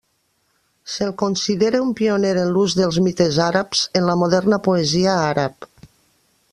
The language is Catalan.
Se'l considere un pioner en l'ús dels mites àrabs en la moderna poesia àrab.